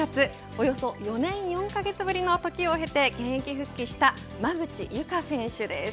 およそ４年４カ月ぶりの時を経て現役復帰した馬淵優佳選手です。